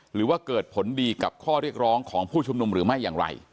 หรือว่าเกิดผลดีกับข้อเรียกร้องของผู้ชุมนุมหรือไม่อย่างไร